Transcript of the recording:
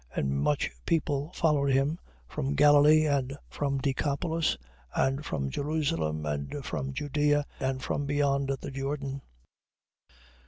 And much people followed him from Galilee, and from Decapolis, and from Jerusalem, and from Judea, and from beyond the Jordan.